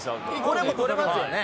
これも取れますよね。